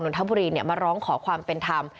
ทบุรีมาร้องขอความเป็นธรรม